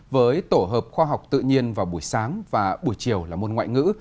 với tổ hợp khoa học tự nhiên vào buổi sáng và buổi chiều là môn ngoại ngữ